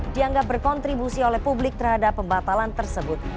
dianggap berkontribusi oleh publik terhadap pembatalan tersebut